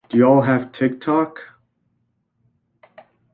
Do y'all have TikTok?